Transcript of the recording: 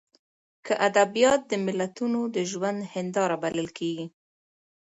که ادبیات د ملتونو د ژوند هینداره بلل کېږي.